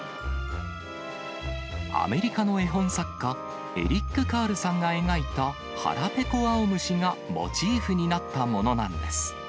アメリカの絵本作家、エリック・カールさんが描いたはらぺこあおむしがモチーフになったものなんです。